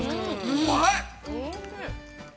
うまい！